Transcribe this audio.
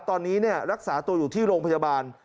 ตอนนี้รักษาตัวอยู่ที่โรงพยาบาล